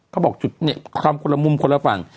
ก็บอกทำมุมคนละฟัง